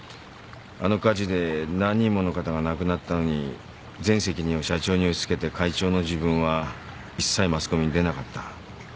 あの火事で何人もの方が亡くなったのに全責任を社長に押し付けて会長の自分は一切マスコミに出なかった。